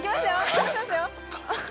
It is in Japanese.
離しますよ？